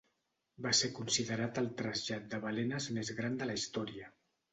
Va ser considerat el trasllat de balenes més gran de la història.